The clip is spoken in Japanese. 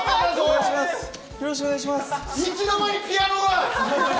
よろしくお願いします。